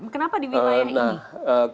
kenapa di wilayah ini